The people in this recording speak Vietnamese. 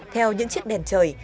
theo những chiếc đèn trời